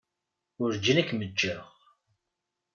Werǧin ad kem-ǧǧeɣ.